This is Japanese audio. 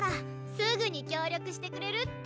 すぐに協力してくれるって。